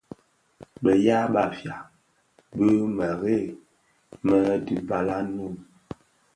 Bë ya Bafia bi mëree më dhibal a Noun.